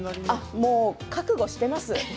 もう覚悟しています。